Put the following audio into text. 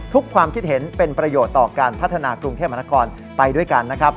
ความคิดเห็นเป็นประโยชน์ต่อการพัฒนากรุงเทพมหานครไปด้วยกันนะครับ